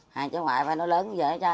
hai cháu ngoại phải nó lớn bây giờ